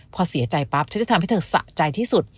พอเสียใจปั๊บฉันจะทำให้เธอสะใจที่สุด